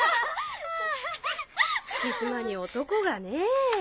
月島に男がねぇ。